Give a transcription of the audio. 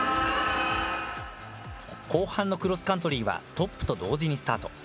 後半のクロスカントリーはトップと同時にスタート。